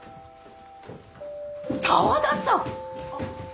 沢田さん！